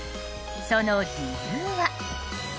その理由は。